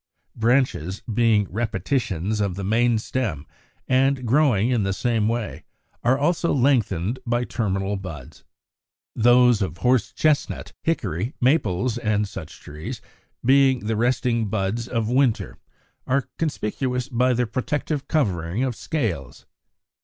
Branches, being repetitions of the main stem and growing in the same way, are also lengthened by terminal buds. Those of Horse chestnut, Hickory, Maples, and such trees, being the resting buds of winter, are conspicuous by their protective covering of scales.